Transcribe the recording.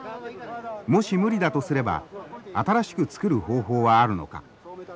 もし無理だとすれば新しくつくる方法はあるのか。